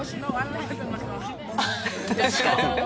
確かに。